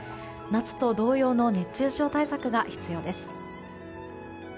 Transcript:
夏と同様の熱中症対策が必要です。